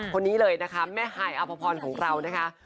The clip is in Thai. คนนี้เลยนะคะแม่ฮายอภพรของเรานะคะ